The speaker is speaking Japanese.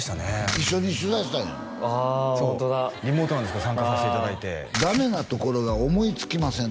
一緒に取材したんやああホントだリモートで参加させていただいて「ダメなところが思いつきません」